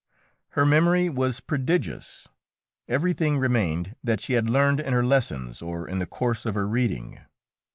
Her memory was prodigious: everything remained that she had learned in her lessons or in the course of her reading.